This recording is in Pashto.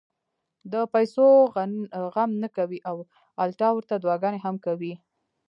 د پېسو غم نۀ کوي او الټا ورته دعاګانې هم کوي -